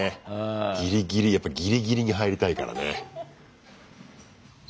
ギリギリやっぱギリギリに入りたいからね。